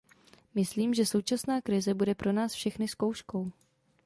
Myslím, že současná krize bude pro nás všechny zkouškou.